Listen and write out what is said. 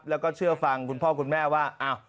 แล้วก็เชื่อฟังคุณพ่อคุณแม่ว่า